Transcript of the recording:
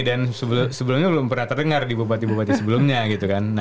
dan sebelumnya belum pernah terdengar di bupati bupati sebelumnya gitu kan